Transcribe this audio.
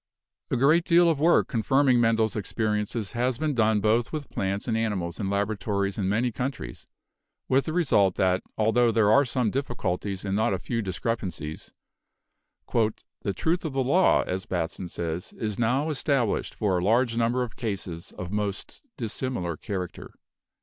A great deal of work confirming Mendel's experiences has been done both with plants and animals in laborato ries in many countries, with the result that altho there are some difficulties and not a few discrepancies, "the truth of the law," as Bateson says, "is now established for a large number of cases of most dissimilar character."